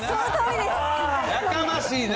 やかましいな。